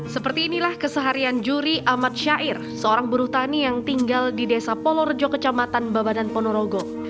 seperti inilah keseharian juri ahmad syair seorang buruh tani yang tinggal di desa polorejo kecamatan babadan ponorogo